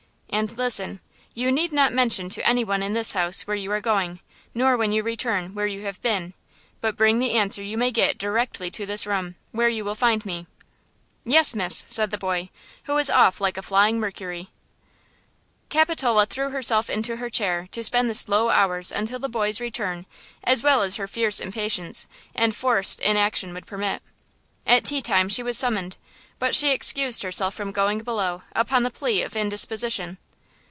And listen! You need not mention to anyone in this house where you are going–nor when you return, where you have been; but bring the answer you may get directly to this room, where you will find me." "Yes, miss," said the boy, who was off like a flying Mercury. Capitola threw herself into her chair to spend the slow hours until the boy's return as well as her fierce impatience and forced inaction would permit. At tea time she was summoned; but excused herself from going below upon the plea of indisposition.